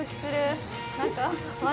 何か。